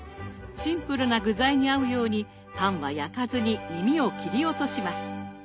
シンプルな具材に合うようにパンは焼かずにみみを切り落とします。